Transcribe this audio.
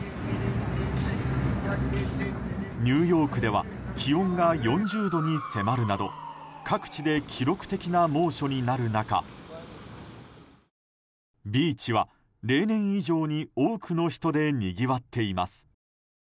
ニューヨークでは気温が４０度に迫るなど各地で記録的な猛暑になる中ビーチは例年以上に多くの人でにぎわっています。